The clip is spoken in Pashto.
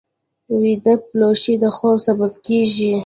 ویده پلوشې د خوب سبب کېږي